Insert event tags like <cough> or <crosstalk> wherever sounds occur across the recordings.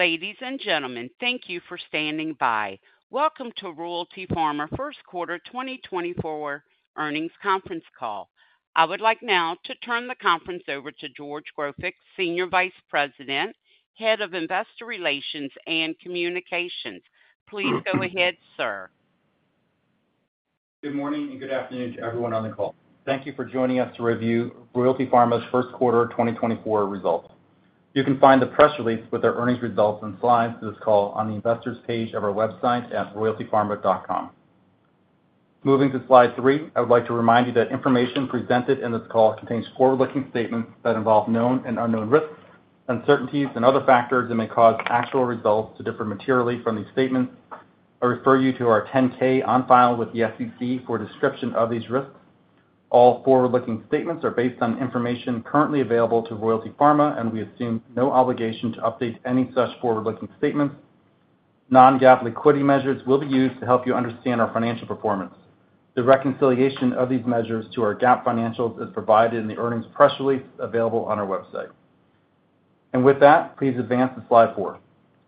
Ladies and gentlemen, thank you for standing by. Welcome to Royalty Pharma First Quarter 2024 Earnings Conference Call. I would like now to turn the conference over to George Grofik, Senior Vice President, Head of Investor Relations and Communications. Please go ahead, sir. Good morning and good afternoon to everyone on the call. Thank you for joining us to review Royalty Pharma's first quarter 2024 results. You can find the press release with our earnings results and slides to this call on the investors page of our website at royaltypharma.com. Moving to slide three, I would like to remind you that information presented in this call contains forward-looking statements that involve known and unknown risks, uncertainties, and other factors that may cause actual results to differ materially from these statements. I refer you to our 10-K on file with the SEC for a description of these risks. All forward-looking statements are based on information currently available to Royalty Pharma, and we assume no obligation to update any such forward-looking statements. Non-GAAP liquidity measures will be used to help you understand our financial performance. The reconciliation of these measures to our GAAP financials is provided in the earnings press release available on our website. With that, please advance to slide four.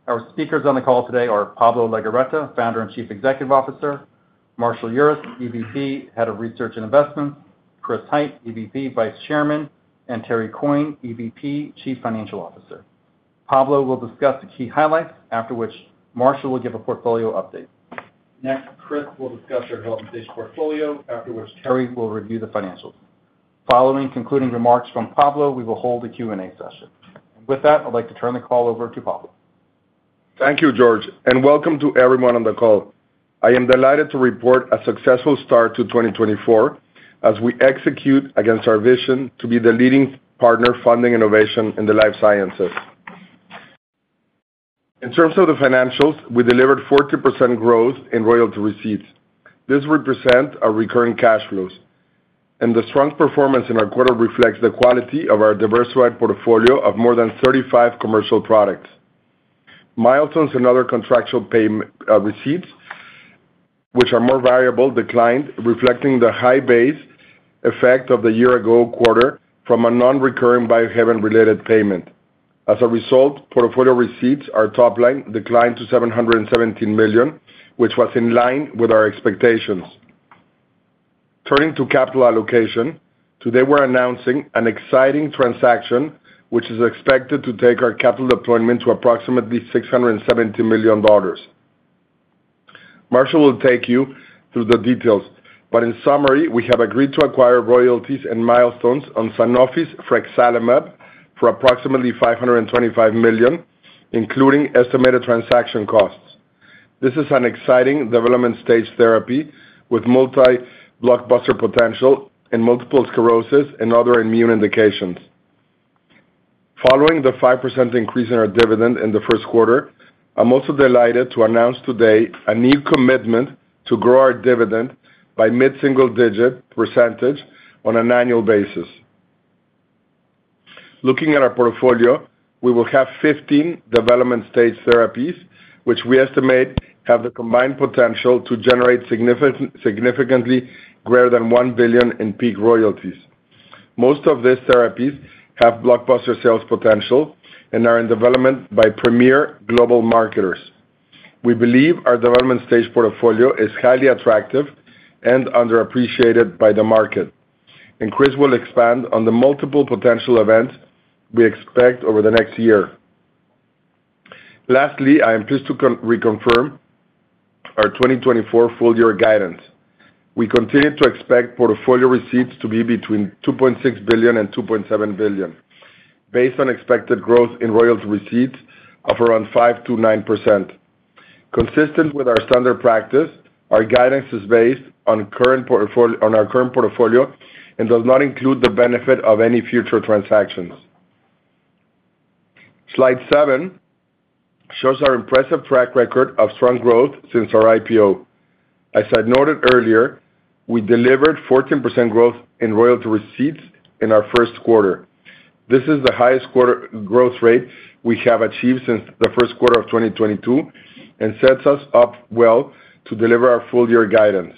Our speakers on the call today are Pablo Legorreta, Founder and Chief Executive Officer; Marshall Urist, EVP, Head of Research and Investments; Chris Hite, EVP, Vice Chairman; and Terry Coyne, EVP, Chief Financial Officer. Pablo will discuss the key highlights, after which Marshall will give a portfolio update. Next, Chris will discuss our development stage portfolio, after which Terry will review the financials. Following concluding remarks from Pablo, we will hold a Q&A session. With that, I'd like to turn the call over to Pablo. Thank you, George, and welcome to everyone on the call. I am delighted to report a successful start to 2024 as we execute against our vision to be the leading partner funding innovation in the life sciences. In terms of the financials, we delivered 40% growth in royalty receipts. This represents our recurring cash flows, and the strong performance in our quarter reflects the quality of our diversified portfolio of more than 35 commercial products. Milestones and other contractual pay receipts, which are more variable, declined, reflecting the high base effect of the year-ago quarter from a non-recurring Biohaven-related payment. As a result, portfolio receipts are topline, declined to $717 million, which was in line with our expectations. Turning to capital allocation, today we're announcing an exciting transaction which is expected to take our capital deployment to approximately $670 million. Marshall will take you through the details, but in summary, we have agreed to acquire royalties and milestones on Sanofi's Frexalimab for approximately $525 million, including estimated transaction costs. This is an exciting development stage therapy with multi-blockbuster potential in multiple sclerosis and other immune indications. Following the 5% increase in our dividend in the first quarter, I'm also delighted to announce today a new commitment to grow our dividend by mid-single digit percentage on an annual basis. Looking at our portfolio, we will have 15 development stage therapies which we estimate have the combined potential to generate significantly greater than $1 billion in peak royalties. Most of these therapies have blockbuster sales potential and are in development by premier global marketers. We believe our development stage portfolio is highly attractive and underappreciated by the market, and Chris will expand on the multiple potential events we expect over the next year. Lastly, I am pleased to reconfirm our 2024 full-year guidance. We continue to expect portfolio receipts to be between $2.6 billion-$2.7 billion, based on expected growth in royalty receipts of around 5%-9%. Consistent with our standard practice, our guidance is based on our current portfolio and does not include the benefit of any future transactions. Slide seven shows our impressive track record of strong growth since our IPO. As I noted earlier, we delivered 14% growth in royalty receipts in our first quarter. This is the highest growth rate we have achieved since the first quarter of 2022 and sets us up well to deliver our full-year guidance.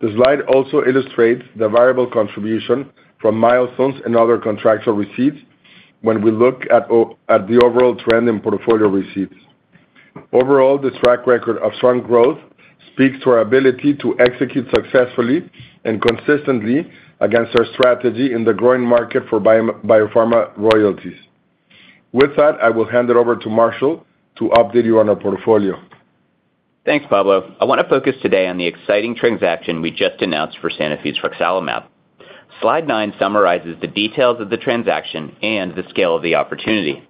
The slide also illustrates the variable contribution from milestones and other contractual receipts when we look at the overall trend in portfolio receipts. Overall, this track record of strong growth speaks to our ability to execute successfully and consistently against our strategy in the growing market for biopharma royalties. With that, I will hand it over to Marshall to update you on our portfolio. Thanks, Pablo. I want to focus today on the exciting transaction we just announced for Sanofi's Frexalimab. Slide nine summarizes the details of the transaction and the scale of the opportunity.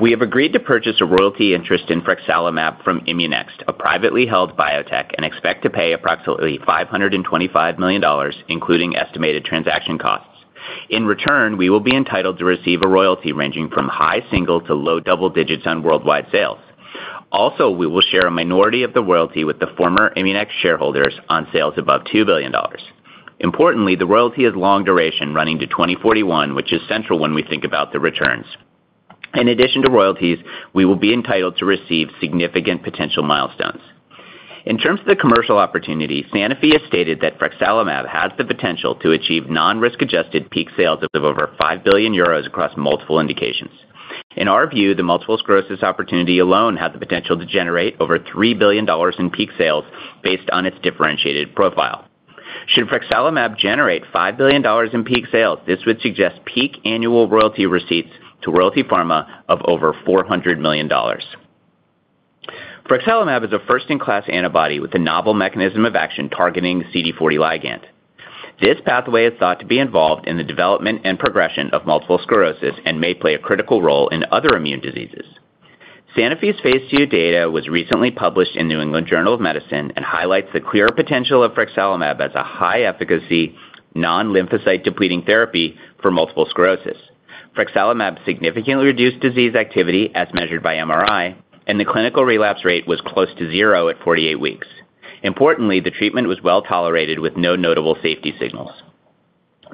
We have agreed to purchase a royalty interest in Frexalimab from ImmuNext, a privately held biotech, and expect to pay approximately $525 million, including estimated transaction costs. In return, we will be entitled to receive a royalty ranging from high single to low double digits on worldwide sales. Also, we will share a minority of the royalty with the former ImmuNext shareholders on sales above $2 billion. Importantly, the royalty has long duration, running to 2041, which is central when we think about the returns. In addition to royalties, we will be entitled to receive significant potential milestones. In terms of the commercial opportunity, Sanofi has stated that Frexalimab has the potential to achieve non-risk-adjusted peak sales of over 5 billion euros across multiple indications. In our view, the multiple sclerosis opportunity alone has the potential to generate over $3 billion in peak sales based on its differentiated profile. Should Frexalimab generate $5 billion in peak sales, this would suggest peak annual royalty receipts to Royalty Pharma of over $400 million. Frexalimab is a first-in-class antibody with a novel mechanism of action targeting CD40 ligand. This pathway is thought to be involved in the development and progression of multiple sclerosis and may play a critical role in other immune diseases. Sanofi's phase II data was recently published in the New England Journal of Medicine and highlights the clear potential of Frexalimab as a high-efficacy, non-lymphocyte-depleting therapy for multiple sclerosis. Frexalimab significantly reduced disease activity, as measured by MRI, and the clinical relapse rate was close to zero at 48 weeks. Importantly, the treatment was well tolerated with no notable safety signals.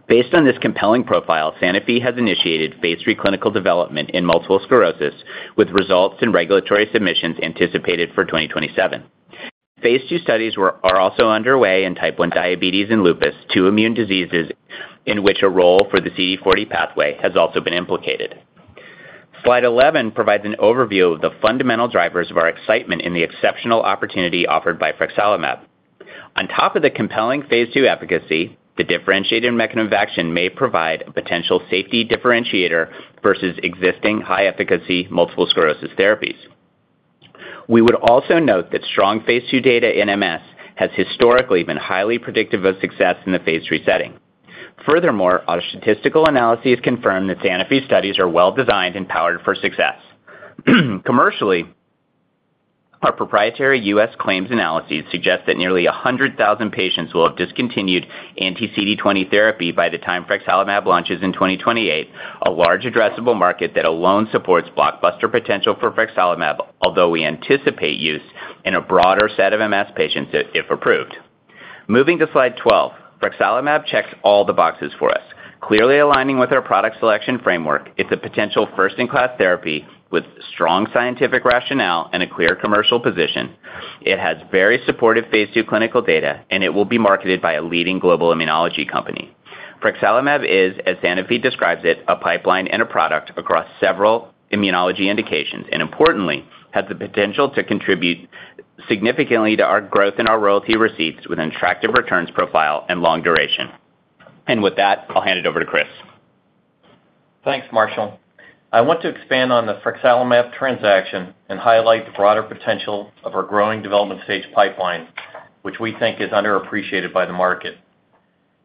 Based on this compelling profile, Sanofi has initiated phase III clinical development in multiple sclerosis, with results in regulatory submissions anticipated for 2027. Phase II studies are also underway in Type 1 diabetes and lupus, two immune diseases in which a role for the CD40 pathway has also been implicated. Slide 11 provides an overview of the fundamental drivers of our excitement in the exceptional opportunity offered by Frexalimab. On top of the compelling phase II efficacy, the differentiated mechanism of action may provide a potential safety differentiator versus existing high-efficacy multiple sclerosis therapies. We would also note that strong phase II data in MS has historically been highly predictive of success in the phase III setting. Furthermore, our statistical analysis confirms that Sanofi's studies are well designed and powered for success. Commercially, our proprietary U.S. claims analysis suggests that nearly 100,000 patients will have discontinued anti-CD20 therapy by the time Frexalimab launches in 2028, a large addressable market that alone supports blockbuster potential for Frexalimab, although we anticipate use in a broader set of MS patients if approved. Moving to slide 12, Frexalimab checks all the boxes for us. Clearly aligning with our product selection framework, it's a potential first-in-class therapy with strong scientific rationale and a clear commercial position. It has very supportive phase II clinical data, and it will be marketed by a leading global immunology company. Frexalimab is, as Sanofi describes it, a pipeline and a product across several immunology indications and, importantly, has the potential to contribute significantly to our growth in our royalty receipts with an attractive returns profile and long duration. With that, I'll hand it over to Chris. Thanks, Marshall. I want to expand on the Frexalimab transaction and highlight the broader potential of our growing development stage pipeline, which we think is underappreciated by the market.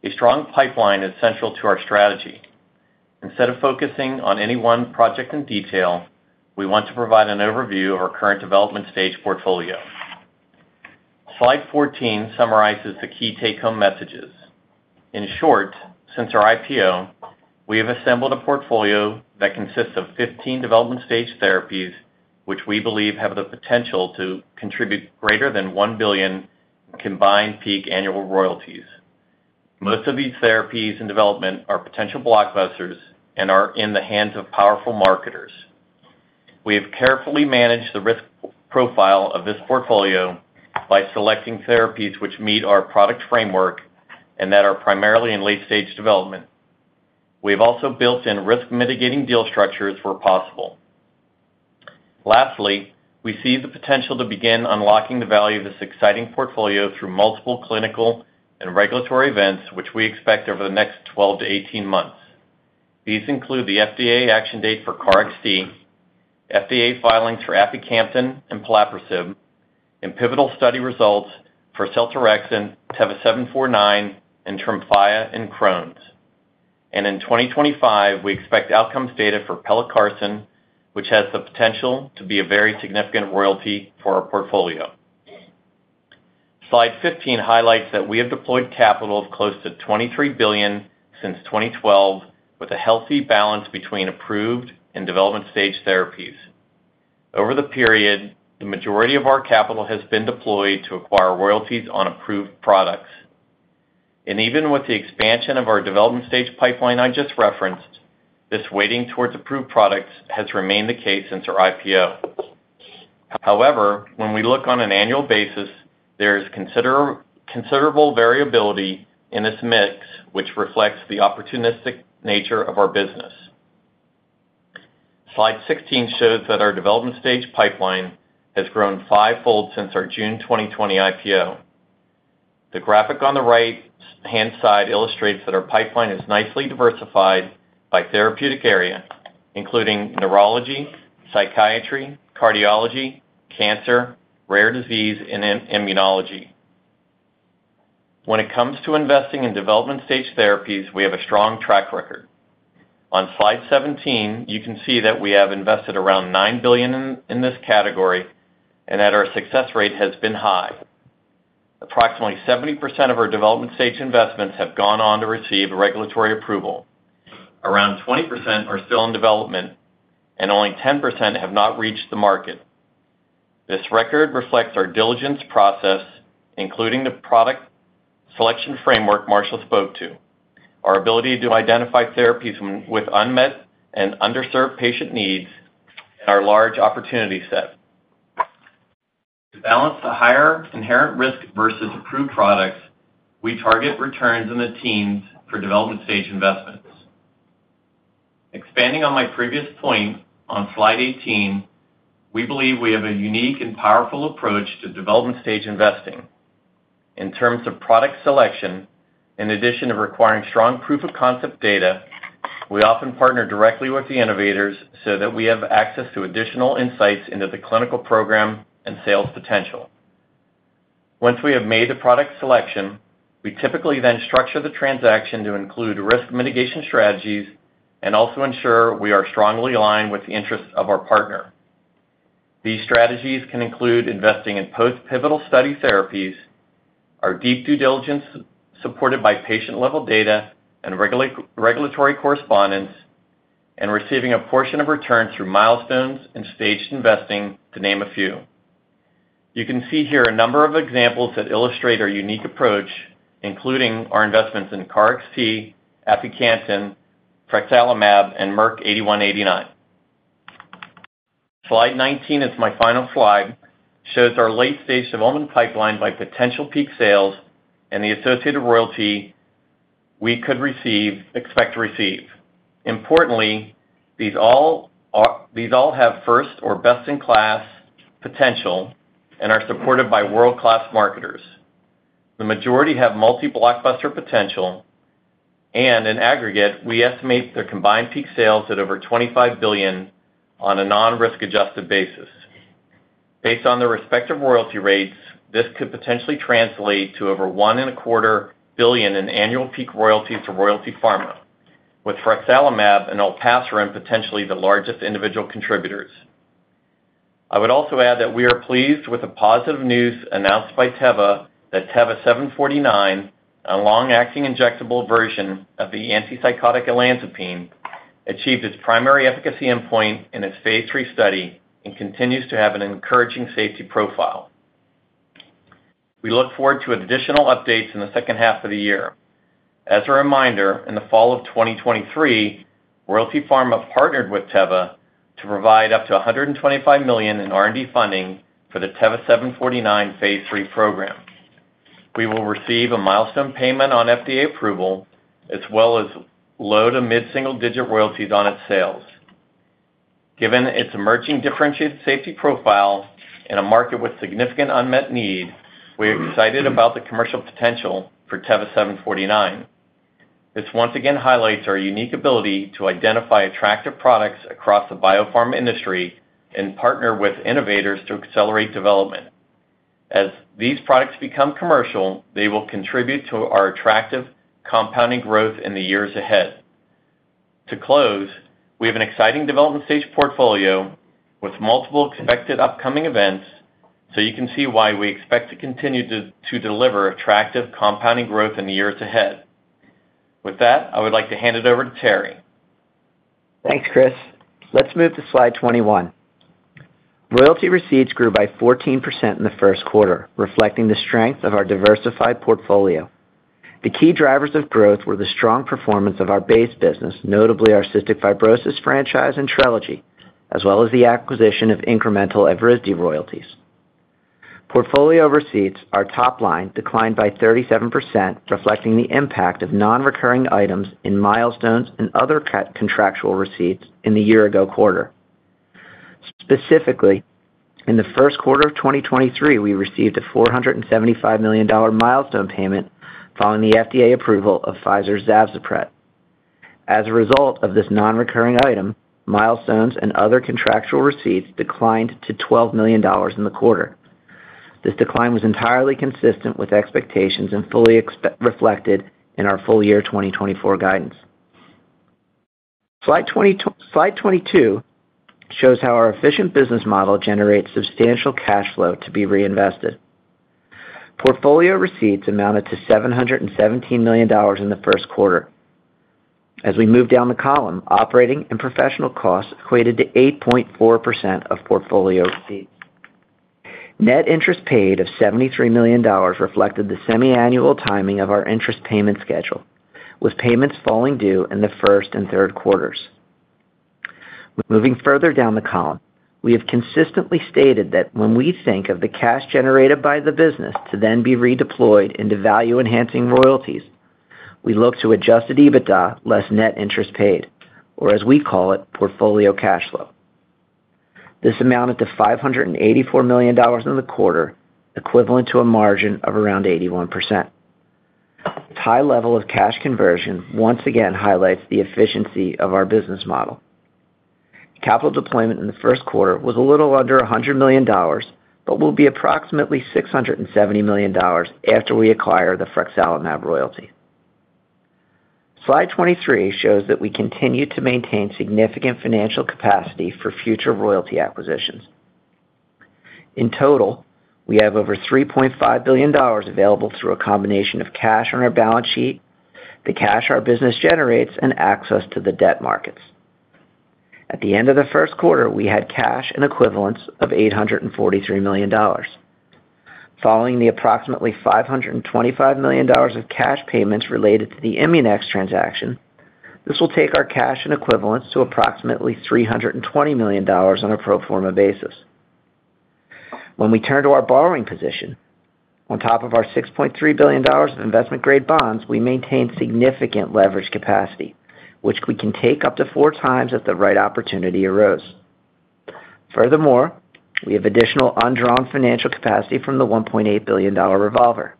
A strong pipeline is central to our strategy. Instead of focusing on any one project in detail, we want to provide an overview of our current development stage portfolio. Slide 14 summarizes the key take-home messages. In short, since our IPO, we have assembled a portfolio that consists of 15 development stage therapies which we believe have the potential to contribute greater than $1 billion in combined peak annual royalties. Most of these therapies in development are potential blockbusters and are in the hands of powerful marketers. We have carefully managed the risk profile of this portfolio by selecting therapies which meet our product framework and that are primarily in late-stage development. We have also built in risk-mitigating deal structures where possible. Lastly, we see the potential to begin unlocking the value of this exciting portfolio through multiple clinical and regulatory events which we expect over the next 12-18 months. These include the FDA action date for KarXT, FDA filings for Aficamten and Pelabresib, and pivotal study results for Seltorexant, TEV-'749, and Tremfya in Crohn's. And in 2025, we expect outcomes data for Pelecarsen, which has the potential to be a very significant royalty for our portfolio. Slide 15 highlights that we have deployed capital of close to $23 billion since 2012, with a healthy balance between approved and development stage therapies. Over the period, the majority of our capital has been deployed to acquire royalties on approved products. Even with the expansion of our development stage pipeline I just referenced, this weighting towards approved products has remained the case since our IPO. However, when we look on an annual basis, there is considerable variability in this mix, which reflects the opportunistic nature of our business. Slide 16 shows that our development stage pipeline has grown fivefold since our June 2020 IPO. The graphic on the right-hand side illustrates that our pipeline is nicely diversified by therapeutic area, including neurology, psychiatry, cardiology, cancer, rare disease, and immunology. When it comes to investing in development stage therapies, we have a strong track record. On slide 17, you can see that we have invested around $9 billion in this category and that our success rate has been high. Approximately 70% of our development stage investments have gone on to receive regulatory approval. Around 20% are still in development, and only 10% have not reached the market. This record reflects our diligence process, including the product selection framework Marshall spoke to, our ability to identify therapies with unmet and underserved patient needs, and our large opportunity set. To balance the higher inherent risk versus approved products, we target returns in the teens for development stage investments. Expanding on my previous point on slide 18, we believe we have a unique and powerful approach to development stage investing. In terms of product selection, in addition to requiring strong proof-of-concept data, we often partner directly with the innovators so that we have access to additional insights into the clinical program and sales potential. Once we have made the product selection, we typically then structure the transaction to include risk mitigation strategies and also ensure we are strongly aligned with the interests of our partner. These strategies can include investing in post-pivotal study therapies, our deep due diligence supported by patient-level data and regulatory correspondence, and receiving a portion of returns through milestones and staged investing, to name a few. You can see here a number of examples that illustrate our unique approach, including our investments in KarXT, Aficamten, Frexalimab, and Merck-8189. Slide 19, as my final slide, shows our late-stage development pipeline by potential peak sales and the associated royalty we could receive, expect to receive. Importantly, these all have first or best-in-class potential and are supported by world-class marketers. The majority have multi-blockbuster potential, and in aggregate, we estimate their combined peak sales at over $25 billion on a non-risk-adjusted basis. Based on their respective royalty rates, this could potentially translate to over $1.25 billion in annual peak royalties to Royalty Pharma, with Frexalimab and Olpasiran potentially the largest individual contributors. I would also add that we are pleased with the positive news announced by Teva that TEV-'749, a long-acting injectable version of the antipsychotic olanzapine, achieved its primary efficacy endpoint in its phase III study and continues to have an encouraging safety profile. We look forward to additional updates in the second half of the year. As a reminder, in the fall of 2023, Royalty Pharma partnered with Teva to provide up to $125 million in R&D funding for the TEV-'749 phase III program. We will receive a milestone payment on FDA approval, as well as low to mid-single digit royalties on its sales. Given its emerging differentiated safety profile in a market with significant unmet need, we are excited about the commercial potential for TEV-'749. This once again highlights our unique ability to identify attractive products across the biopharma industry and partner with innovators to accelerate development. As these products become commercial, they will contribute to our attractive compounding growth in the years ahead. To close, we have an exciting development stage portfolio with multiple expected upcoming events, so you can see why we expect to continue to deliver attractive compounding growth in the years ahead. With that, I would like to hand it over to Terry. Thanks, Chris. Let's move to slide 21. Royalty receipts grew by 14% in the first quarter, reflecting the strength of our diversified portfolio. The key drivers of growth were the strong performance of our base business, notably our cystic fibrosis franchise and Trelegy, as well as the acquisition of incremental Evrysdi royalties. Portfolio receipts, our top line, declined by 37%, reflecting the impact of non-recurring items in milestones and other contractual receipts in the year-ago quarter. Specifically, in the first quarter of 2023, we received a $475 million milestone payment following the FDA approval of Pfizer's Zavzpret. As a result of this non-recurring item, milestones and other contractual receipts declined to $12 million in the quarter. This decline was entirely consistent with expectations and fully reflected in our full-year 2024 guidance. Slide 22 shows how our efficient business model generates substantial cash flow to be reinvested. Portfolio receipts amounted to $717 million in the first quarter. As we move down the column, operating and professional costs equated to 8.4% of portfolio receipts. Net interest paid of $73 million reflected the semiannual timing of our interest payment schedule, with payments falling due in the first and third quarters. Moving further down the column, we have consistently stated that when we think of the cash generated by the business to then be redeployed into value-enhancing royalties, we look to adjusted EBITDA less net interest paid, or as we call it, portfolio cash flow. This amounted to $584 million in the quarter, equivalent to a margin of around 81%. This high level of cash conversion once again highlights the efficiency of our business model. Capital deployment in the first quarter was a little under $100 million but will be approximately $670 million after we acquire the Frexalimab royalty. Slide 23 shows that we continue to maintain significant financial capacity for future royalty acquisitions. In total, we have over $3.5 billion available through a combination of cash on our balance sheet, the cash our business generates, and access to the debt markets. At the end of the first quarter, we had cash and equivalents of $843 million. Following the approximately $525 million of cash payments related to the ImmuNext transaction, this will take our cash and equivalents to approximately $320 million on a pro forma basis. When we turn to our borrowing position, on top of our $6.3 billion of investment-grade bonds, we maintain significant leverage capacity, which we can take up to 4x if the right opportunity arose. Furthermore, we have additional undrawn financial capacity from the $1.8 billion revolver.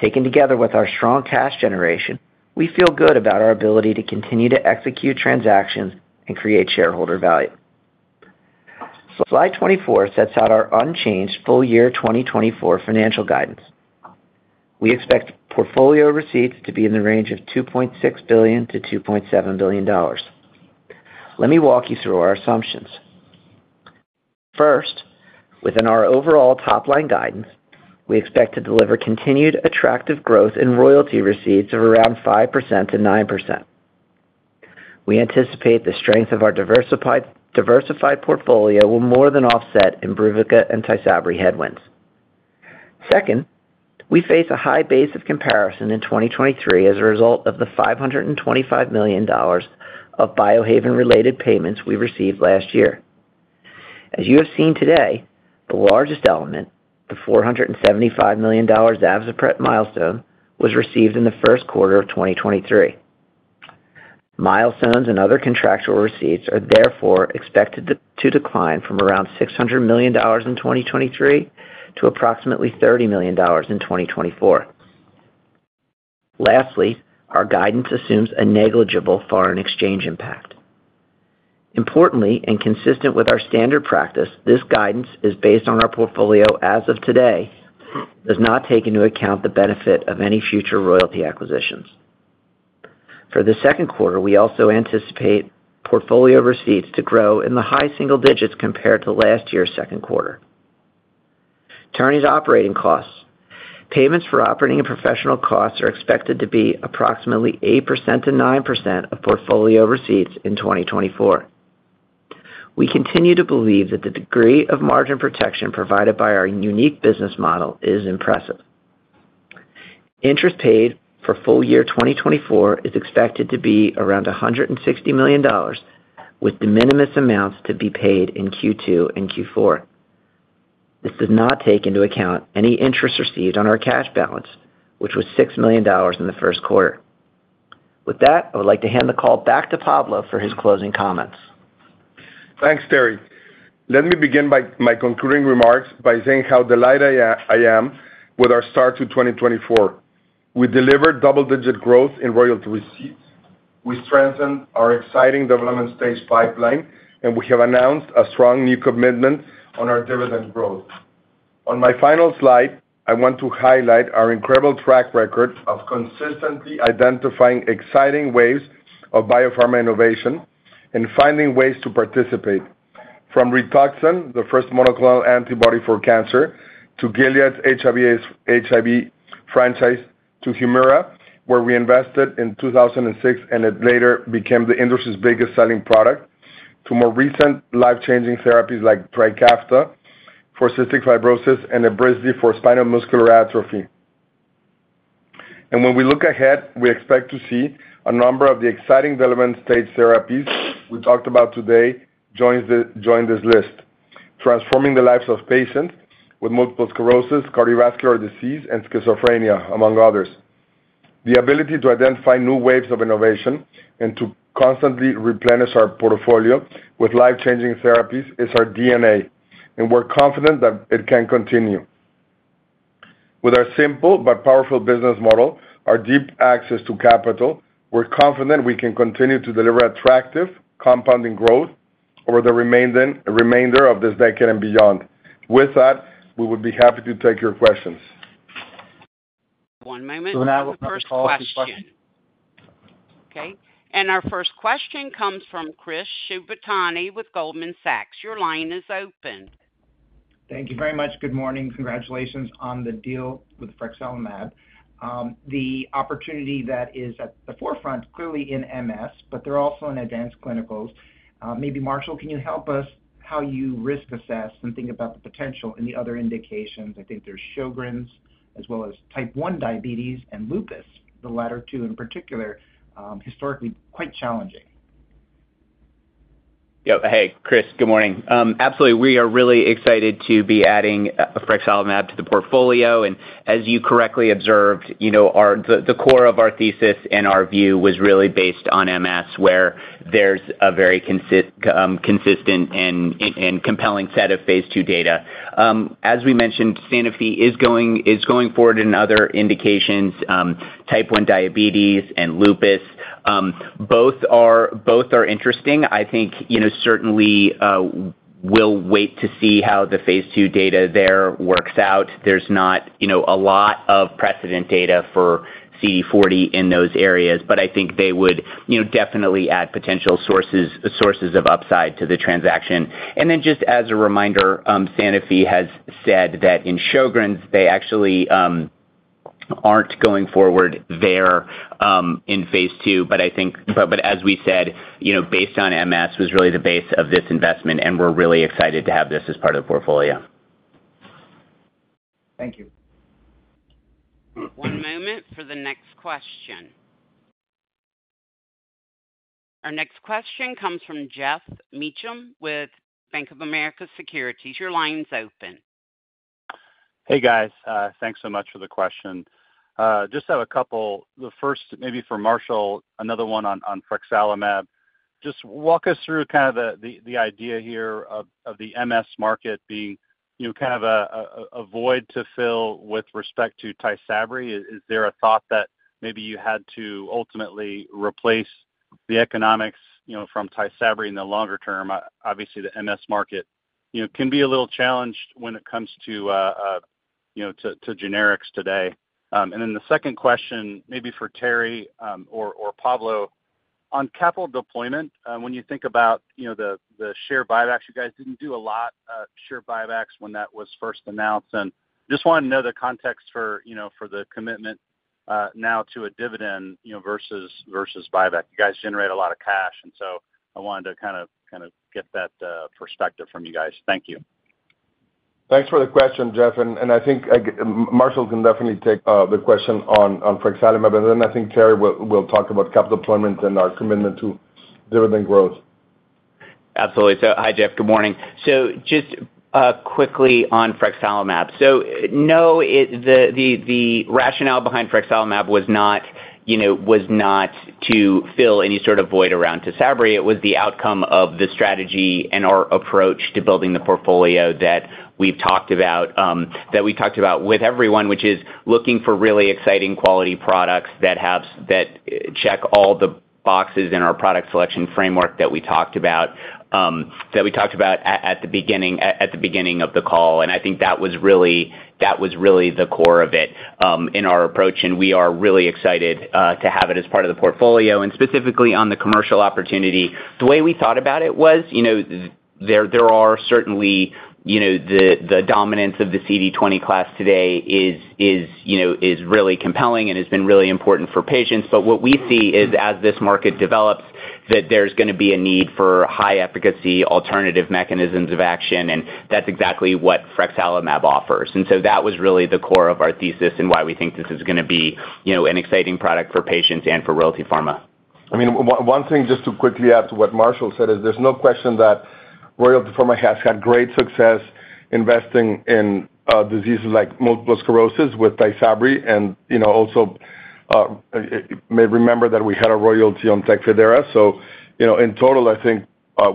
Taken together with our strong cash generation, we feel good about our ability to continue to execute transactions and create shareholder value. Slide 24 sets out our unchanged full-year 2024 financial guidance. We expect portfolio receipts to be in the range of $2.6 billion-$2.7 billion. Let me walk you through our assumptions. First, within our overall top-line guidance, we expect to deliver continued attractive growth in royalty receipts of around 5%-9%. We anticipate the strength of our diversified portfolio will more than offset Imbruvica and Tysabri headwinds. Second, we face a high base of comparison in 2023 as a result of the $525 million of Biohaven-related payments we received last year. As you have seen today, the largest element, the $475 million Zavzpret milestone, was received in the first quarter of 2023. Milestones and other contractual receipts are therefore expected to decline from around $600 million in 2023 to approximately $30 million in 2024. Lastly, our guidance assumes a negligible foreign exchange impact. Importantly, and consistent with our standard practice, this guidance is based on our portfolio as of today, does not take into account the benefit of any future royalty acquisitions. For the second quarter, we also anticipate portfolio receipts to grow in the high single digits compared to last year's second quarter. Terry, operating costs: payments for operating and professional costs are expected to be approximately 8%-9% of portfolio receipts in 2024. We continue to believe that the degree of margin protection provided by our unique business model is impressive. Interest paid for full-year 2024 is expected to be around $160 million, with de minimis amounts to be paid in Q2 and Q4. This does not take into account any interest received on our cash balance, which was $6 million in the first quarter. With that, I would like to hand the call back to Pablo for his closing comments. Thanks, Terry. Let me begin my concluding remarks by saying how delighted I am with our start to 2024. We delivered double-digit growth in royalty receipts. We strengthened our exciting development stage pipeline, and we have announced a strong new commitment on our dividend growth. On my final slide, I want to highlight our incredible track record of consistently identifying exciting waves of biopharma innovation and finding ways to participate. From Rituxan, the first monoclonal antibody for cancer, to Gilead's HIV franchise, to Humira, where we invested in 2006 and it later became the industry's biggest-selling product, to more recent life-changing therapies like Trikafta for cystic fibrosis and Evrysdi for spinal muscular atrophy. When we look ahead, we expect to see a number of the exciting development stage therapies we talked about today join this list, transforming the lives of patients with multiple sclerosis, cardiovascular disease, and schizophrenia, among others. The ability to identify new waves of innovation and to constantly replenish our portfolio with life-changing therapies is our DNA, and we're confident that it can continue. With our simple but powerful business model, our deep access to capital, we're confident we can continue to deliver attractive compounding growth over the remainder of this decade and beyond. With that, we would be happy to take your questions. One moment. <crosstalk> First question. Okay. And our first question comes from Chris Shibutani with Goldman Sachs. Your line is open. Thank you very much. Good morning. Congratulations on the deal with Frexalimab. The opportunity that is at the forefront, clearly in MS, but they're also in advanced clinicals. Maybe, Marshall, can you help us how you risk assess and think about the potential in the other indications? I think there's Sjögren's, as well as Type 1 diabetes and lupus, the latter two in particular, historically quite challenging. Yep. Hey, Chris. Good morning. Absolutely. We are really excited to be adding Frexalimab to the portfolio. As you correctly observed, the core of our thesis and our view was really based on MS, where there's a very consistent and compelling set of phase II data. As we mentioned, Sanofi is going forward in other indications. Type 1 diabetes and lupus, both are interesting. I think certainly we'll wait to see how the phase II data there works out. There's not a lot of precedent data for CD40 in those areas, but I think they would definitely add potential sources of upside to the transaction. Then just as a reminder, Sanofi has said that in Sjögren's, they actually aren't going forward there in phase II. But as we said, based on MS was really the base of this investment, and we're really excited to have this as part of the portfolio. Thank you. One moment for the next question. Our next question comes from Geoff Meacham with Bank of America Securities. Your line's open. Hey, guys. Thanks so much for the question. Just have a couple. The first, maybe for Marshall, another one on Frexalimab. Just walk us through kind of the idea here of the MS market being kind of a void to fill with respect to Tysabri. Is there a thought that maybe you had to ultimately replace the economics from Tysabri in the longer term? Obviously, the MS market can be a little challenged when it comes to generics today. And then the second question, maybe for Terry or Pablo. On capital deployment, when you think about the share buybacks, you guys didn't do a lot of share buybacks when that was first announced. And just wanted to know the context for the commitment now to a dividend versus buyback. You guys generate a lot of cash, and so I wanted to kind of get that perspective from you guys. Thank you. Thanks for the question, Geoff. I think Marshall can definitely take the question on Frexalimab, and then I think Terry will talk about capital deployment and our commitment to dividend growth. Absolutely. So hi, Geoff. Good morning. So just quickly on Frexalimab. So no, the rationale behind Frexalimab was not to fill any sort of void around Tysabri. It was the outcome of the strategy and our approach to building the portfolio that we've talked about with everyone, which is looking for really exciting quality products that check all the boxes in our product selection framework that we talked about at the beginning of the call. And I think that was really the core of it in our approach, and we are really excited to have it as part of the portfolio. And specifically on the commercial opportunity, the way we thought about it was there are certainly the dominance of the CD20 class today is really compelling and has been really important for patients. What we see is, as this market develops, that there's going to be a need for high-efficacy alternative mechanisms of action, and that's exactly what Frexalimab offers. So that was really the core of our thesis and why we think this is going to be an exciting product for patients and for Royalty Pharma. I mean, one thing just to quickly add to what Marshall said is there's no question that Royalty Pharma has had great success investing in diseases like multiple sclerosis with Tysabri. And also may remember that we had a royalty on Tecfidera. So in total, I think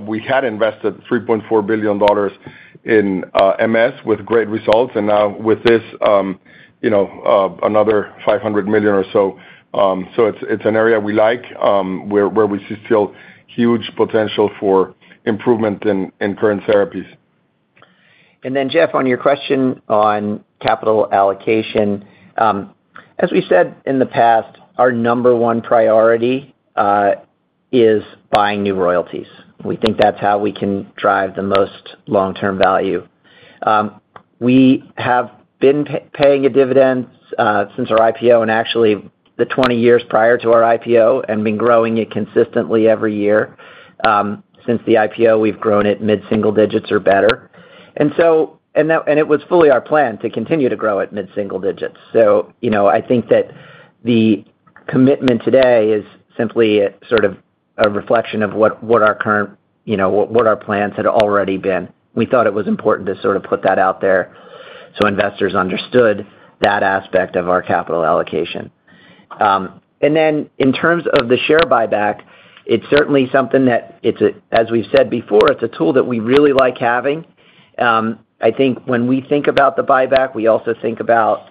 we had invested $3.4 billion in MS with great results. And now with this, another $500 million or so. So it's an area we like where we still feel huge potential for improvement in current therapies. And then, Geoff, on your question on capital allocation, as we said in the past, our number one priority is buying new royalties. We think that's how we can drive the most long-term value. We have been paying a dividend since our IPO, and actually the 20 years prior to our IPO, and been growing it consistently every year. Since the IPO, we've grown it mid-single digits or better. And it was fully our plan to continue to grow it mid-single digits. So I think that the commitment today is simply sort of a reflection of what our current plans had already been. We thought it was important to sort of put that out there so investors understood that aspect of our capital allocation. And then in terms of the share buyback, it's certainly something that as we've said before, it's a tool that we really like having. I think when we think about the buyback, we also think about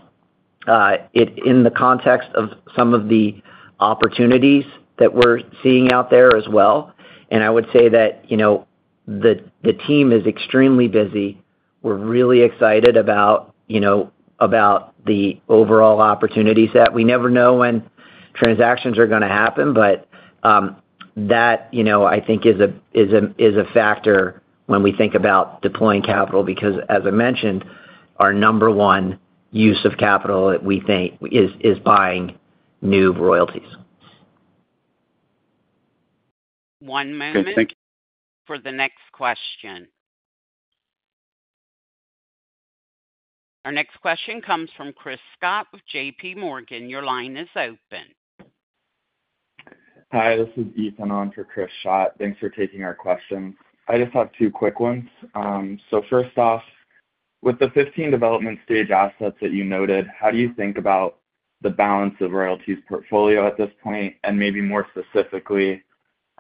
it in the context of some of the opportunities that we're seeing out there as well. I would say that the team is extremely busy. We're really excited about the overall opportunities that we never know when transactions are going to happen, but that, I think, is a factor when we think about deploying capital. Because as I mentioned, our number one use of capital, we think, is buying new royalties. One moment. Good. Thank you. For the next question. Our next question comes from Chris Schott with JP Morgan. Your line is open. Hi. This is Ethan on for Chris Schott. Thanks for taking our questions. I just have two quick ones. So first off, with the 15 development stage assets that you noted, how do you think about the balance of royalties portfolio at this point? And maybe more specifically,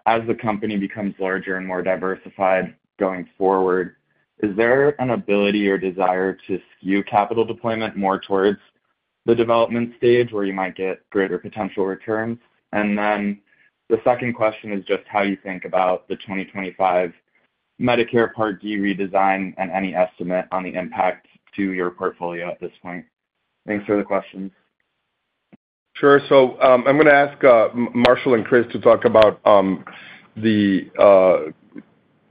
as the company becomes larger and more diversified going forward, is there an ability or desire to skew capital deployment more towards the development stage where you might get greater potential returns? And then the second question is just how you think about the 2025 Medicare Part D Redesign and any estimate on the impact to your portfolio at this point? Thanks for the questions. Sure. So I'm going to ask Marshall and Chris to talk about the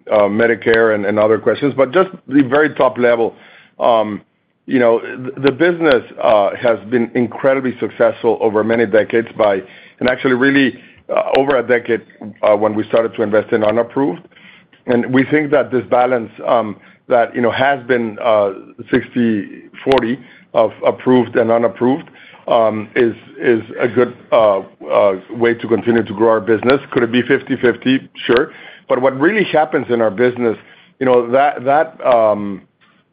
Medicare and other questions, but just the very top level. The business has been incredibly successful over many decades by and actually really over a decade when we started to invest in unapproved. And we think that this balance that has been 60/40 of approved and unapproved is a good way to continue to grow our business. Could it be 50/50? Sure. But what really happens in our business, that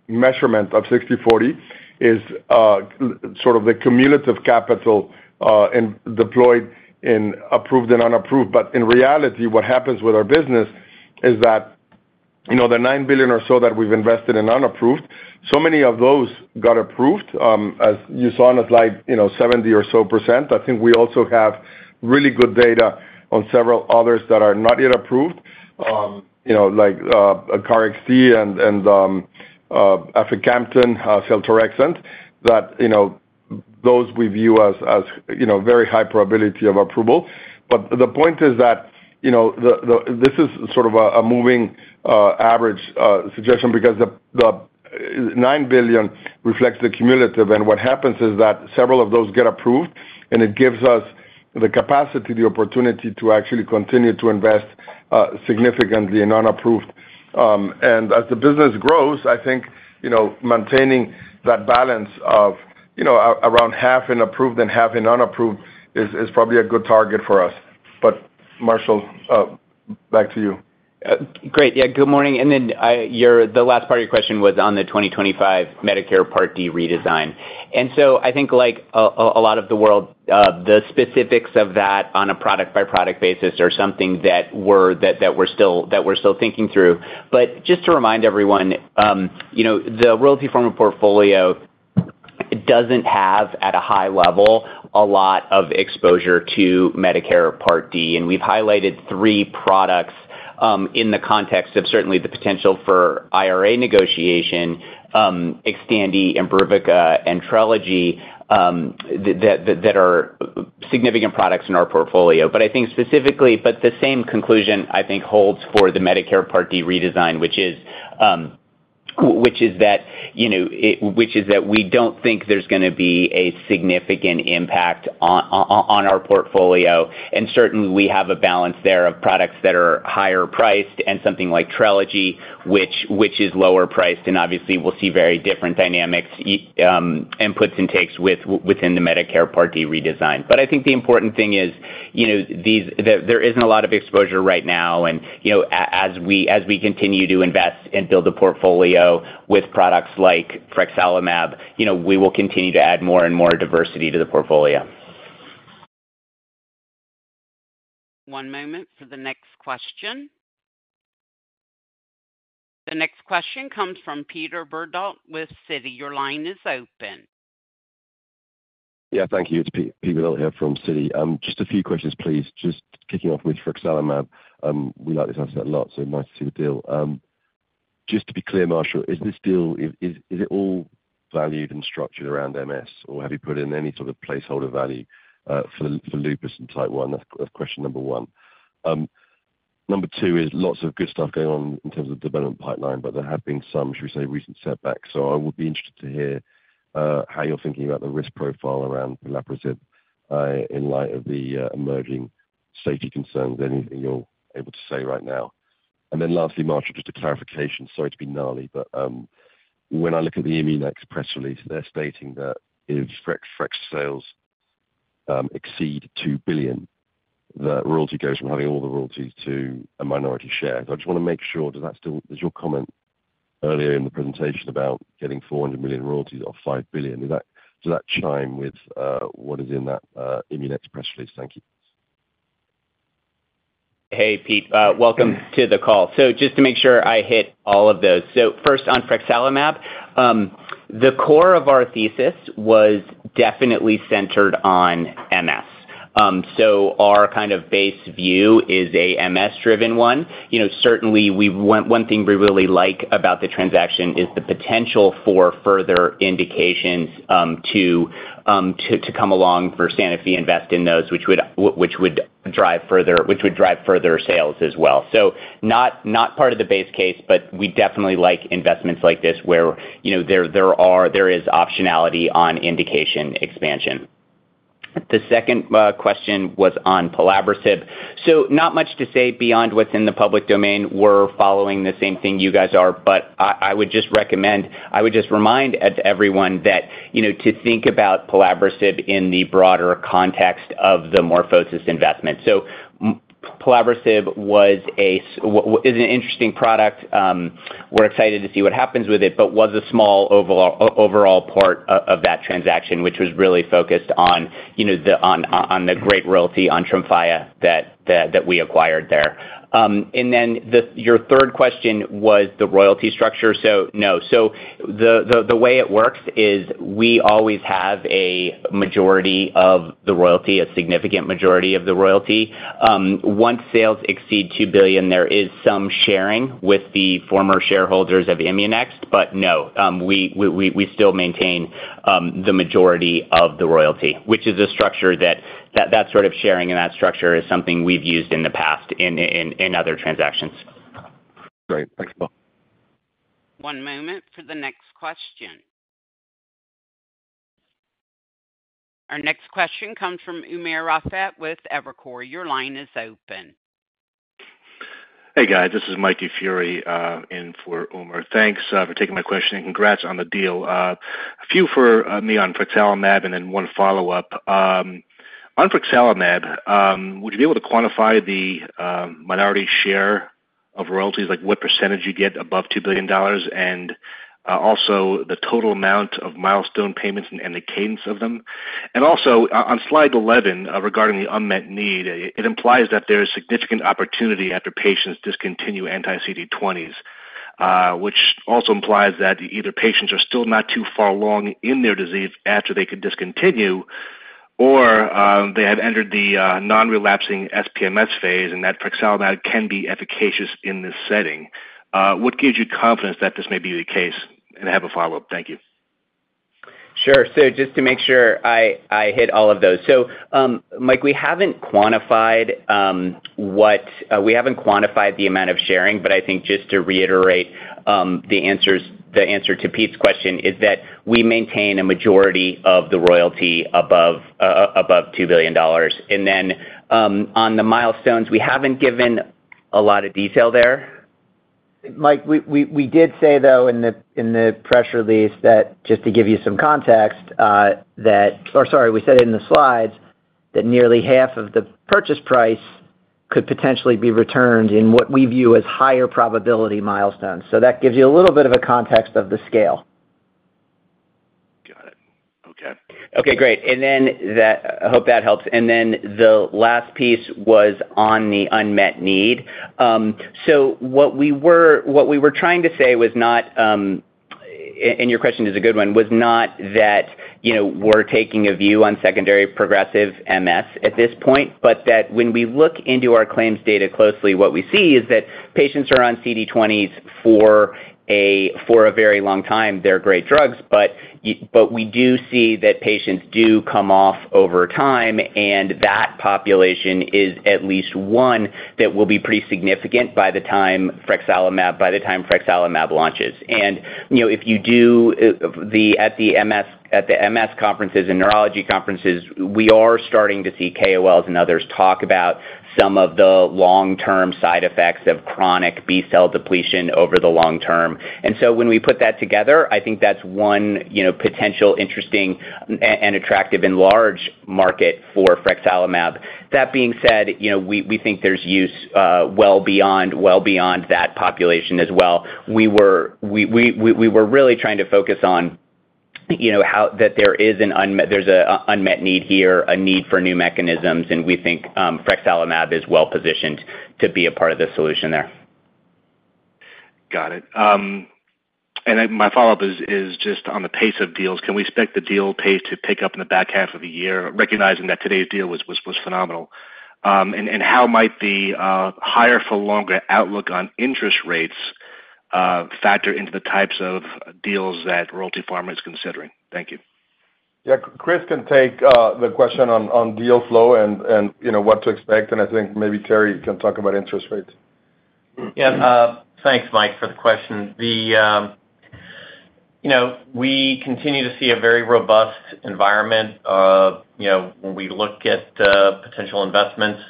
measurement of 60/40 is sort of the cumulative capital deployed in approved and unapproved. But in reality, what happens with our business is that the $9 billion or so that we've invested in unapproved, so many of those got approved. As you saw on the slide, 70% or so. I think we also have really good data on several others that are not yet approved, like KarXT and Aficamten, Seltorexant. Those we view as very high probability of approval. But the point is that this is sort of a moving average suggestion because the $9 billion reflects the cumulative. And what happens is that several of those get approved, and it gives us the capacity, the opportunity to actually continue to invest significantly in unapproved. And as the business grows, I think maintaining that balance of around half in approved and half in unapproved is probably a good target for us. But Marshall, back to you. Great. Yeah. Good morning. And then the last part of your question was on the 2025 Medicare Part D Redesign. And so I think like a lot of the world, the specifics of that on a product-by-product basis are something that we're still thinking through. But just to remind everyone, the Royalty Pharma portfolio doesn't have, at a high level, a lot of exposure to Medicare Part D. And we've highlighted three products in the context of certainly the potential for IRA negotiation: Xtandi, Imbruvica, and Trelegy, that are significant products in our portfolio. But I think specifically but the same conclusion, I think, holds for the Medicare Part D Redesign, which is that we don't think there's going to be a significant impact on our portfolio. And certainly, we have a balance there of products that are higher priced and something like Trelegy, which is lower priced. And obviously, we'll see very different dynamics, inputs, and takes within the Medicare Part D Redesign. But I think the important thing is there isn't a lot of exposure right now. And as we continue to invest and build a portfolio with products like Frexalimab, we will continue to add more and more diversity to the portfolio. One moment for the next question. The next question comes from Peter Verdult with Citi. Your line is open. Yeah. Thank you. It's Peter Verdult here from Citi. Just a few questions, please. Just kicking off with Frexalimab, we like this asset a lot, so nice to see the deal. Just to be clear, Marshall, is this deal is it all valued and structured around MS, or have you put in any sort of placeholder value for lupus and Type 1? That's question number one. Number two is lots of good stuff going on in terms of the development pipeline, but there have been some, should we say, recent setbacks. So I would be interested to hear how you're thinking about the risk profile around Pelabresib in light of the emerging safety concerns. Anything you're able to say right now? And then lastly, Marshall, just a clarification. Sorry to be gnarly, but when I look at the ImmuNext press release, they're stating that if Frex sales exceed $2 billion, the royalty goes from having all the royalties to a minority share. So I just want to make sure, does that still is your comment earlier in the presentation about getting $400 million royalties off $5 billion? Does that chime with what is in that ImmuNext press release? Thank you. Hey, Pete. Welcome to the call. So just to make sure I hit all of those. So first, on Frexalimab, the core of our thesis was definitely centered on MS. So our kind of base view is a MS-driven one. Certainly, one thing we really like about the transaction is the potential for further indications to come along for Sanofi to invest in those, which would drive further sales as well. So not part of the base case, but we definitely like investments like this where there is optionality on indication expansion. The second question was on Pelabresib. So not much to say beyond what's in the public domain. We're following the same thing you guys are, but I would just remind everyone to think about Pelabresib in the broader context of the MorphoSys investment. So Pelabresib is an interesting product. We're excited to see what happens with it, but was a small overall part of that transaction, which was really focused on the great royalty on Tremfya that we acquired there. And then your third question was the royalty structure. So no. So the way it works is we always have a majority of the royalty, a significant majority of the royalty. Once sales exceed $2 billion, there is some sharing with the former shareholders of ImmuNext, but no, we still maintain the majority of the royalty, which is a structure that that sort of sharing in that structure is something we've used in the past in other transactions. Great. Thanks, Pablo. One moment for the next question. Our next question comes from Umer Raffat with Evercore. Your line is open. Hey, guys. This is Mike DiFiore in for Umer. Thanks for taking my question, and congrats on the deal. A few for me on Frexalimab, and then one follow-up. On Frexalimab, would you be able to quantify the minority share of royalties? What percentage you get above $2 billion, and also the total amount of milestone payments and the cadence of them? And also on slide 11 regarding the unmet need, it implies that there is significant opportunity after patients discontinue anti-CD20s, which also implies that either patients are still not too far along in their disease after they could discontinue, or they have entered the non-relapsing SPMS phase, and that Frexalimab can be efficacious in this setting. What gives you confidence that this may be the case? And I have a follow-up. Thank you. Sure. So just to make sure I hit all of those. So Mike, we haven't quantified the amount of sharing, but I think just to reiterate the answer to Pete's question is that we maintain a majority of the royalty above $2 billion. And then on the milestones, we haven't given a lot of detail there. Mike, we did say, though, in the press release that just to give you some context that or sorry, we said it in the slides that nearly half of the purchase price could potentially be returned in what we view as higher probability milestones. So that gives you a little bit of a context of the scale. Got it. Okay. Okay. Great. And then I hope that helps. And then the last piece was on the unmet need. So what we were trying to say was not, and your question is a good one, was not that we're taking a view on secondary progressive MS at this point, but that when we look into our claims data closely, what we see is that patients are on CD20s for a very long time. They're great drugs, but we do see that patients do come off over time, and that population is at least one that will be pretty significant by the time Frexalimab by the time Frexalimab launches. And if you do at the MS conferences and neurology conferences, we are starting to see KOLs and others talk about some of the long-term side effects of chronic B-cell depletion over the long term. And so when we put that together, I think that's one potential interesting and attractive enlarged market for Frexalimab. That being said, we think there's use well beyond that population as well. We were really trying to focus on how that there is an unmet need here, a need for new mechanisms, and we think Frexalimab is well positioned to be a part of the solution there. Got it. And my follow-up is just on the pace of deals. Can we expect the deal pace to pick up in the back half of the year, recognizing that today's deal was phenomenal? And how might the higher-for-longer outlook on interest rates factor into the types of deals that Royalty Pharma is considering? Thank you. Yeah. Chris can take the question on deal flow and what to expect, and I think maybe Terry can talk about interest rates. Yeah. Thanks, Mike, for the question. We continue to see a very robust environment when we look at potential investments,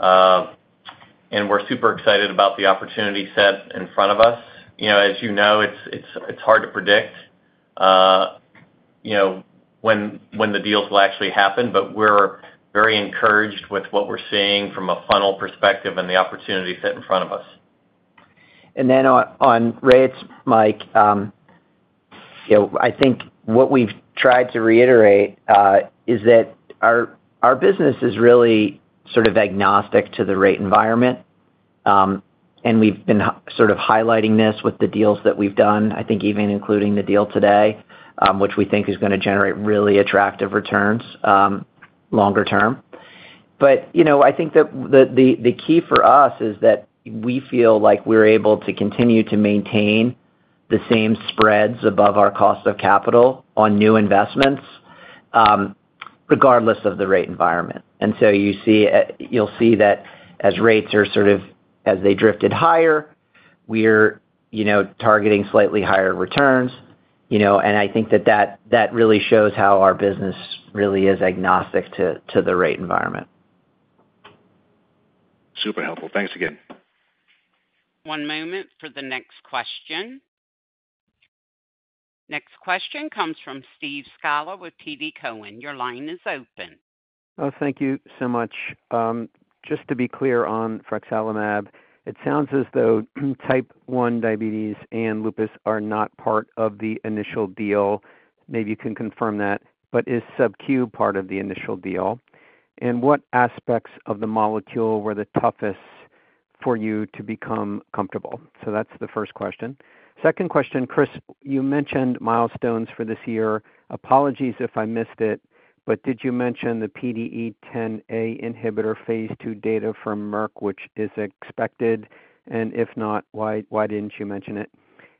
and we're super excited about the opportunity set in front of us. As you know, it's hard to predict when the deals will actually happen, but we're very encouraged with what we're seeing from a funnel perspective and the opportunity set in front of us. And then on rates, Mike, I think what we've tried to reiterate is that our business is really sort of agnostic to the rate environment, and we've been sort of highlighting this with the deals that we've done, I think even including the deal today, which we think is going to generate really attractive returns longer term. But I think that the key for us is that we feel like we're able to continue to maintain the same spreads above our cost of capital on new investments regardless of the rate environment. And so you'll see that as rates are sort of as they drifted higher, we're targeting slightly higher returns. And I think that that really shows how our business really is agnostic to the rate environment. Super helpful. Thanks again. One moment for the next question. Next question comes from Steve Scala with TD Cowen. Your line is open. Oh, thank you so much. Just to be clear on Frexalimab, it sounds as though Type 1 diabetes and lupus are not part of the initial deal. Maybe you can confirm that, but is SubQ part of the initial deal? And what aspects of the molecule were the toughest for you to become comfortable? So that's the first question. Second question, Chris, you mentioned milestones for this year. Apologies if I missed it, but did you mention the PDE10A inhibitor phase II data from Merck, which is expected? And if not, why didn't you mention it?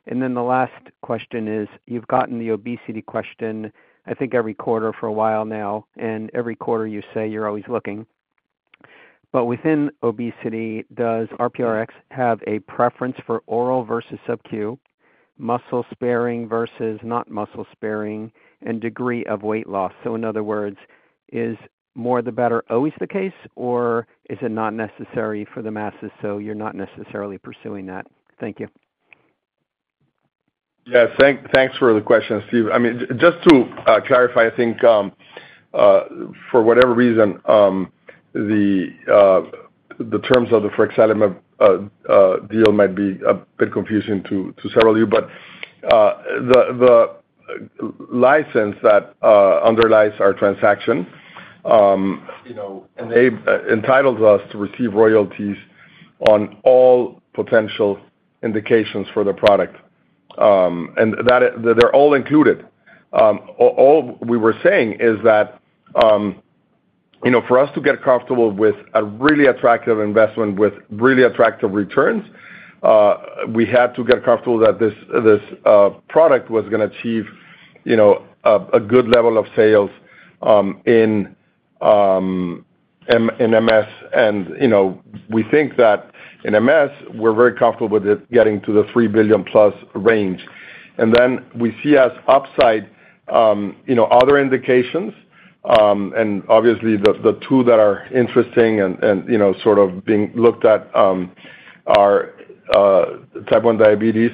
And then the last question is, you've gotten the obesity question, I think, every quarter for a while now, and every quarter you say you're always looking. But within obesity, does RPRX have a preference for oral versus SubQ, muscle sparing versus not muscle sparing, and degree of weight loss? So in other words, is more the better always the case, or is it not necessary for the masses, so you're not necessarily pursuing that? Thank you. Yeah. Thanks for the question, Steve. I mean, just to clarify, I think for whatever reason, the terms of the Frexalimab deal might be a bit confusing to several of you, but the license that underlies our transaction, and they entitled us to receive royalties on all potential indications for the product, and they're all included. All we were saying is that for us to get comfortable with a really attractive investment with really attractive returns, we had to get comfortable that this product was going to achieve a good level of sales in MS. And we think that in MS, we're very comfortable with it getting to the $3 billion-plus range. And then we see as upside other indications, and obviously, the two that are interesting and sort of being looked at are Type 1 diabetes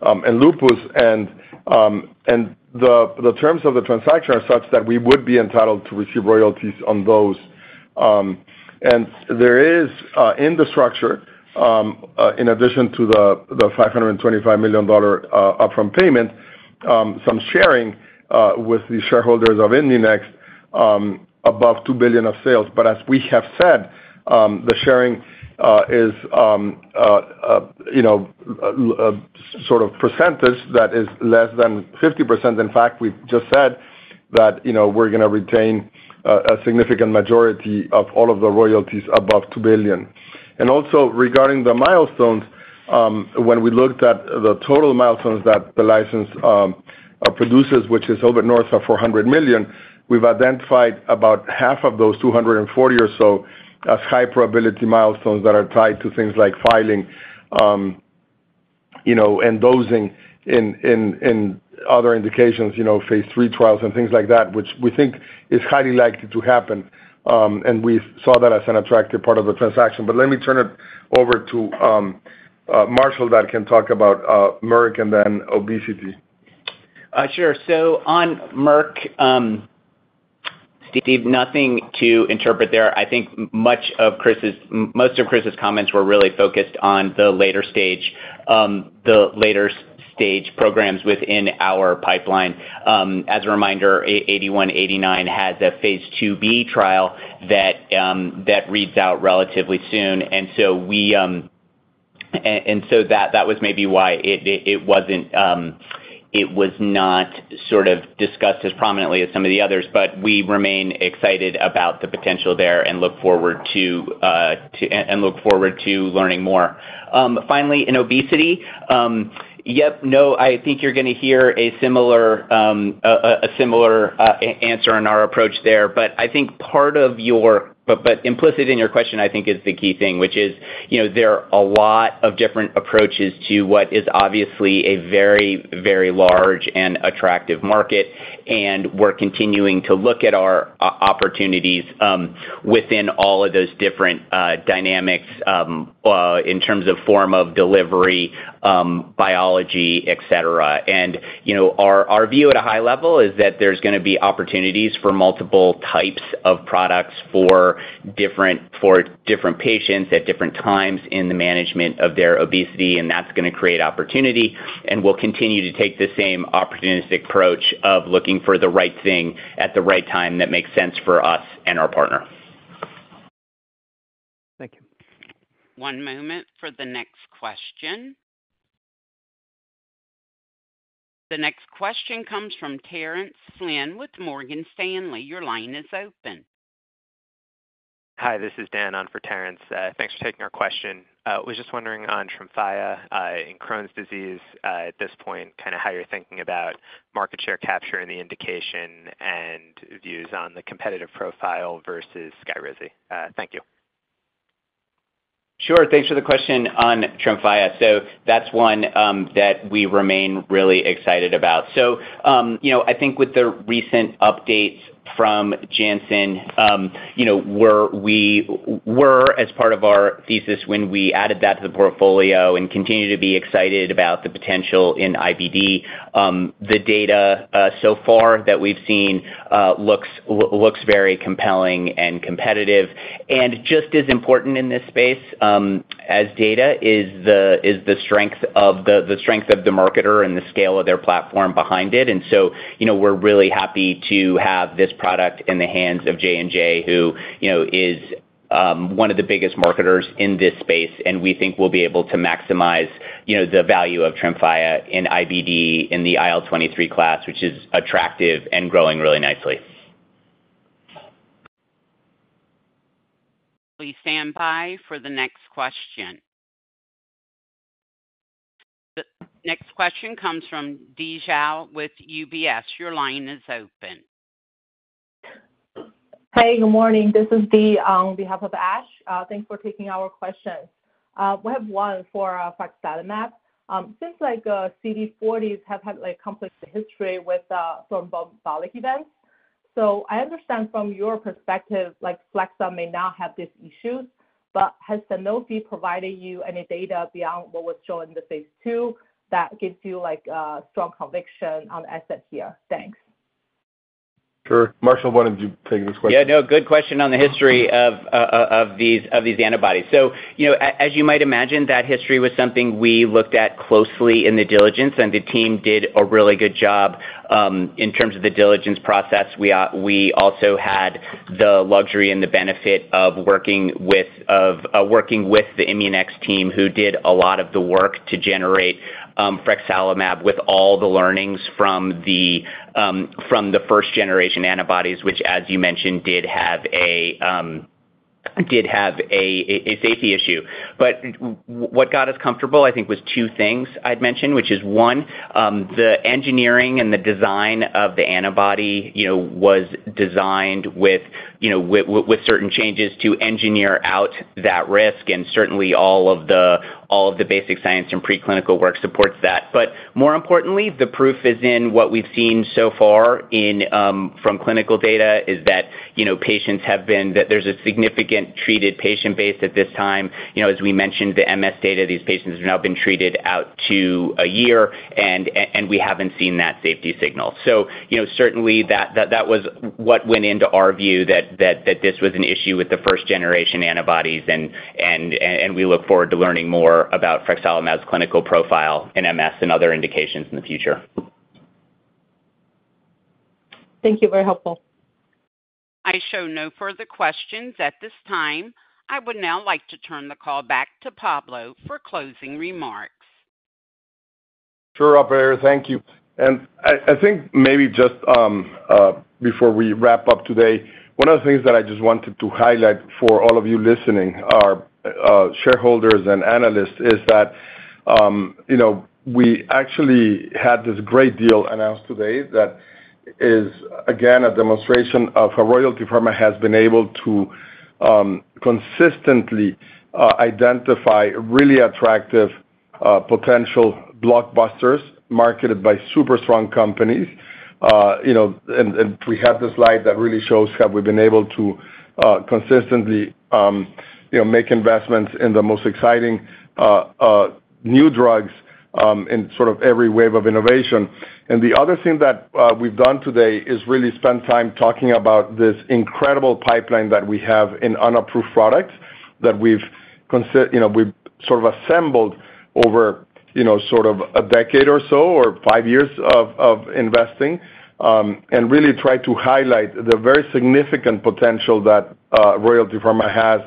and lupus. The terms of the transaction are such that we would be entitled to receive royalties on those. There is in the structure, in addition to the $525 million upfront payment, some sharing with the shareholders of ImmuNext above $2 billion in sales. But as we have said, the sharing is sort of percentage that is less than 50%. In fact, we've just said that we're going to retain a significant majority of all of the royalties above $2 billion. Regarding the milestones, when we looked at the total milestones that the license produces, which is a little bit north of $400 million, we've identified about half of those—240 or so—as high probability milestones that are tied to things like filing and dosing in other indications, phase III trials and things like that, which we think is highly likely to happen. We saw that as an attractive part of the transaction. Let me turn it over to Marshall that can talk about Merck and then obesity. Sure. So on Merck, Steve, nothing to interpret there. I think much of Chris's comments were really focused on the later stage programs within our pipeline. As a reminder, 8189 has a phase II-B trial that reads out relatively soon, and so that was maybe why it was not sort of discussed as prominently as some of the others. But we remain excited about the potential there and look forward to learning more. Finally, in obesity, yep, no, I think you're going to hear a similar answer in our approach there. But I think part of your question, but implicit in your question, I think, is the key thing, which is there are a lot of different approaches to what is obviously a very, very large and attractive market, and we're continuing to look at our opportunities within all of those different dynamics in terms of form of delivery, biology, etc. And our view at a high level is that there's going to be opportunities for multiple types of products for different patients at different times in the management of their obesity, and that's going to create opportunity. And we'll continue to take the same opportunistic approach of looking for the right thing at the right time that makes sense for us and our partner. Thank you. One moment for the next question. The next question comes from Terence Flynn with Morgan Stanley. Your line is open. Hi. This is Dan on for Terence. Thanks for taking our question. I was just wondering on Tremfya in Crohn's disease at this point, kind of how you're thinking about market share capture and the indication and views on the competitive profile versus Skyrizi. Thank you. Sure. Thanks for the question on Tremfya. So that's one that we remain really excited about. So I think with the recent updates from Janssen, where we were as part of our thesis when we added that to the portfolio and continue to be excited about the potential in IBD, the data so far that we've seen looks very compelling and competitive. And just as important in this space as data is the strength of the marketer and the scale of their platform behind it. And so we're really happy to have this product in the hands of J&J, who is one of the biggest marketers in this space, and we think we'll be able to maximize the value of Tremfya in IBD in the IL-23 class, which is attractive and growing really nicely. Will you stand by for the next question? The next question comes from Di Zhao with UBS. Your line is open. Hey. Good morning. This is Di on behalf of Ash. Thanks for taking our question. We have one for Frexalimab. Seems like CD40s have had a complex history with thrombotic events. So I understand from your perspective, Frexalimab may not have these issues, but has Sanofi provided you any data beyond what was shown in the phase II that gives you a strong conviction on the asset here? Thanks. Sure. Marshall, why don't you take this question? Yeah. No. Good question on the history of these antibodies. So as you might imagine, that history was something we looked at closely in the diligence, and the team did a really good job in terms of the diligence process. We also had the luxury and the benefit of working with the ImmuNext team, who did a lot of the work to generate Frexalimab with all the learnings from the first-generation antibodies, which, as you mentioned, did have a safety issue. But what got us comfortable, I think, was two things I'd mention, which is one, the engineering and the design of the antibody was designed with certain changes to engineer out that risk, and certainly, all of the basic science and preclinical work supports that. But more importantly, the proof is in what we've seen so far from clinical data, is that patients have been that there's a significant treated patient base at this time. As we mentioned, the MS data, these patients have now been treated out to a year, and we haven't seen that safety signal. So certainly, that was what went into our view, that this was an issue with the first-generation antibodies, and we look forward to learning more about Frexalimab's clinical profile in MS and other indications in the future. Thank you. Very helpful. I show no further questions at this time. I would now like to turn the call back to Pablo for closing remarks. Sure, operator. Thank you. And I think maybe just before we wrap up today, one of the things that I just wanted to highlight for all of you listening, our shareholders and analysts, is that we actually had this great deal announced today that is, again, a demonstration of how Royalty Pharma has been able to consistently identify really attractive potential blockbusters marketed by super strong companies. We had this slide that really shows how we've been able to consistently make investments in the most exciting new drugs in sort of every wave of innovation. The other thing that we've done today is really spend time talking about this incredible pipeline that we have in unapproved products that we've sort of assembled over sort of a decade or so or 5 years of investing and really try to highlight the very significant potential that Royalty Pharma has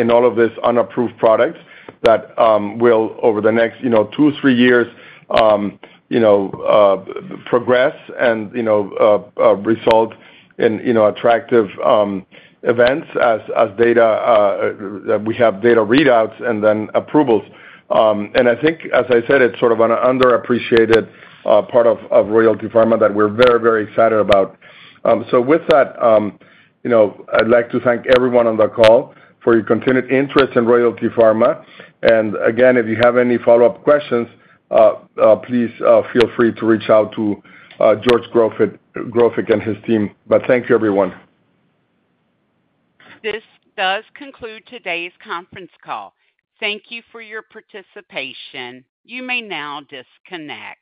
in all of these unapproved products that will, over the next 2-3 years, progress and result in attractive events as we have data readouts and then approvals. I think, as I said, it's sort of an underappreciated part of Royalty Pharma that we're very, very excited about. With that, I'd like to thank everyone on the call for your continued interest in Royalty Pharma. Again, if you have any follow-up questions, please feel free to reach out to George Grofik and his team. But thank you, everyone. This does conclude today's conference call. Thank you for your participation. You may now disconnect.